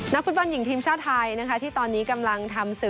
นักฟุตบันหญิงทีมชาติไทยที่ตอนนี้กำลังทำศึก